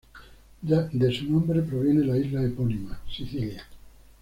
De su nombre proviene la isla epónima, Sicilia.